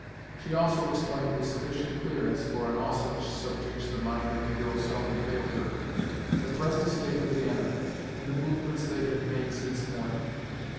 She also explained with sufficient clearness, for on all such subjects the mind of the girl seldom failed her, the present state of the enemy, and the movements they had made since morning.